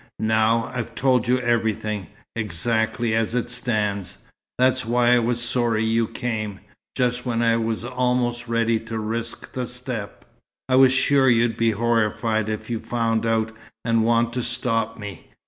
Now, I've told you everything, exactly as it stands. That's why I was sorry you came, just when I was almost ready to risk the step. I was sure you'd be horrified if you found out, and want to stop me.